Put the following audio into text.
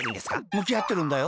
むきあってるんだよ。